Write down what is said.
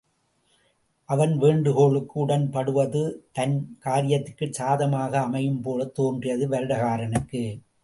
அவன் வேண்டுகோளுக்கு உடன்படுவது தன் காரியத்திற்கும் சாதகமாக அமையும்போலத் தோன்றியது வருடகாரனுக்கு.